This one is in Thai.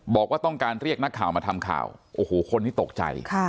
บอกว่าต้องการเรียกนักข่าวมาทำข่าวโอ้โหคนนี้ตกใจ